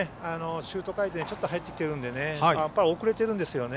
シュート回転ちょっと入ってきてるのでやっぱり遅れてるんですよね